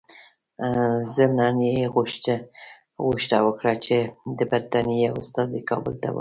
ضمناً یې غوښتنه وکړه چې د برټانیې یو استازی کابل ته ورسي.